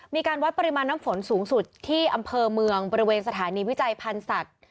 มีการวัดปริมาณน้ำฝนสูงสุดที่อำเภอเมืองบริเวณสถานีวิจัยพันธุ์สัตว์